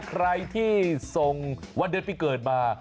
ใครที่ส่งวันเดือนปีเกิดมา